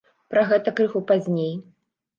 Пра гэта крыху пазней.